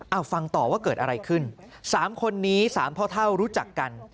เอาฟังต่อว่าเกิดอะไรขึ้นสามคนนี้สามพ่อเท่ารู้จักกัน